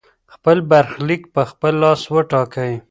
خپل برخليک په خپل لاس وټاکئ.